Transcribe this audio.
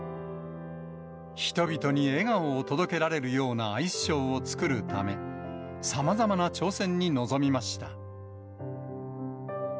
人々に笑顔を届けられるようなアイスショーを作るため、さまざまな挑戦に臨みました。